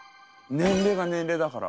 年齢が年齢だから。